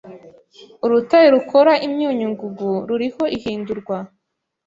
Urutare rukora imyunyu ngugu ruriho ihindurwa